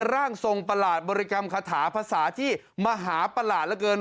ร่างทรงประหลาดบริกรรมคาถาภาษาที่มหาประหลาดเหลือเกิน